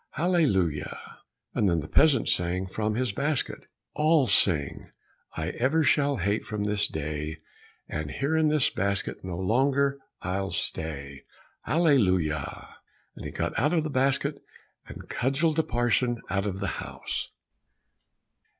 Hallelujah. And then the peasant sang from his basket, "All singing I ever shall hate from this day, And here in this basket no longer I'll stay." Hallelujah. And he got out of the basket, and cudgelled the parson out of the house.